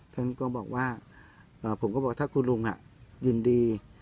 ท่านก็บอกว่าผมก็บอกถ้าคุณลุงยินดี